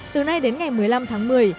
từ nay đến ngày một mươi năm tháng một mươi